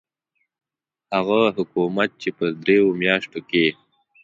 هغه حکومت چې په دریو میاشتو کې.